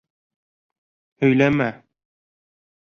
Һөйләмә!